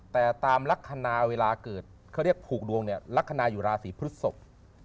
แต่ตามลักษณะเวลาเกิดเขาเรียกผูกดวงเนี่ยลักษณะอยู่ราศีพฤศพ